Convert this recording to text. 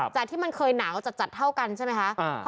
จากที่มันเคยหนาวจัดเท่ากันใช่ไหมคะ